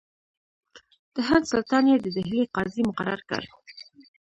د هند سلطان یې د ډهلي قاضي مقرر کړ.